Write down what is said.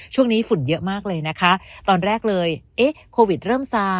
ช่วงนี้ฝุ่นเยอะมากเลยนะคะตอนแรกเลยโควิดเริ่มซา